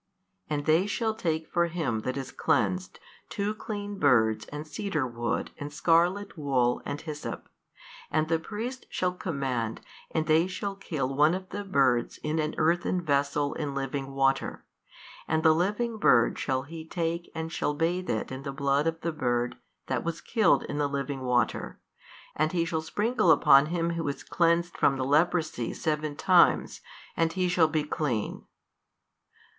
And they shall take for him that is cleansed two clean birds and cedar wood and scarlet wool and hyssop, and the priest shall command and they shall hill one of the birds in an earthen vessel in living water, and the living bird shall he take and shall bathe it in the blood of the bird that was killed in the living water and he shall sprinkle upon him who is cleansed from the leprosy seven times, and he shall be clean.